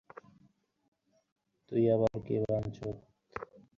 তুই আবার কে, বাঞ্চোত?